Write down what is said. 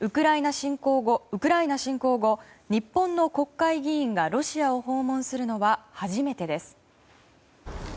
ウクライナ侵攻後日本の国会議員がロシアを訪問するのは初めてです。